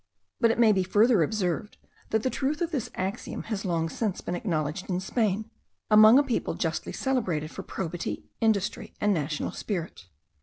But it may be further observed, that the truth of this axiom has long since been acknowledged in Spain, among a people justly celebrated for probity, industry, and national spirit.